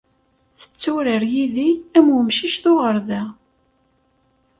Tetturar yid-i am wemcic d uɣerda.